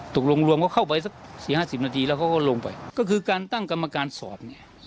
ตกลงรวมเขาเข้าไปสักสี่ห้าสิบนาทีแล้วเขาก็ลงไปก็คือการตั้งกรรมการสอบเนี่ย